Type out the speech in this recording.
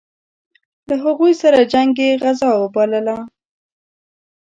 له هغوی سره جنګ یې غزا وبلله.